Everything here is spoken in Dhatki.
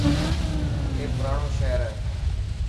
اي پراڻو شهر هي.